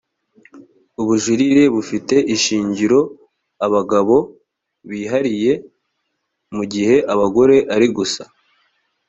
ubujurire bufite ishingiro abagabo bihariye mu gihe abagore ari gusa